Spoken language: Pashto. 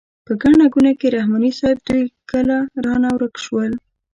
په ګڼه ګوڼه کې رحماني صیب دوی کله رانه ورک شول.